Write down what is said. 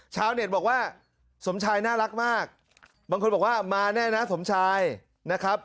ชาวเน็ตบอกว่าสมชายน่ารักมากบางคนบอกว่ามาแน่นะสมชายนะครับ